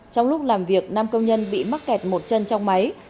trong lúc làm việc năm công nhân bị mắc kẹt một chân trong máy